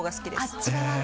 あっち側が。